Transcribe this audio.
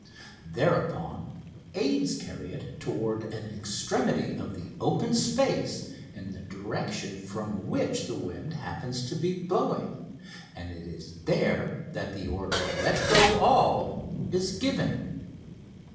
Thereupon aids carry it toward an extremity of the open space in the direction from which the wind happens to be blowing, and it is there that the order: "Let go all!" is given.